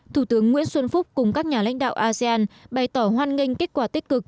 thủ tướng nguyễn xuân phúc cùng các nhà lãnh đạo asean bày tỏ hoan nghênh kết quả tích cực